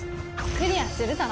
クリアするぞ！